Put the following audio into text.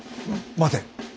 待て。